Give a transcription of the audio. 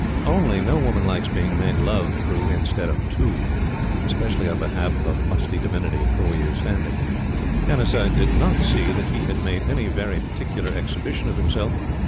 only no woman likes being made love through instead of to specially on behalf of a musty divinity of four years' standing. Hannasyde did not see that he had made any very particular exhibition of himself.